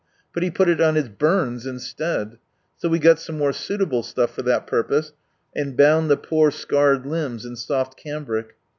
But he put it on his burns instead ! So we got some more suitable stuff for that purpose, and bound the poor scarred limbs in soft cambric.